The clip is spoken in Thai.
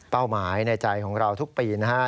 หมายในใจของเราทุกปีนะฮะ